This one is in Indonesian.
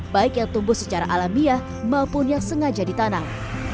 baik yang tumbuh secara alamiah maupun yang sengaja ditanam